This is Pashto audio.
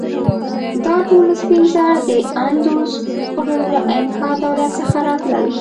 دا ټول سپین زر د اندوس غرونو له انکا دولت څخه راتلل.